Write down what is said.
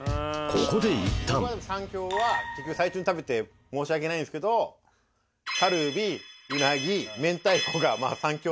ここでいったん最初に食べて申し訳ないんですけどカルビうなぎ明太子が３強。